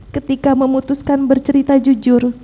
ketika memutuskan bercerita jujur